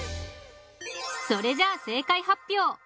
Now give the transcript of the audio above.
それじゃあ正解発表。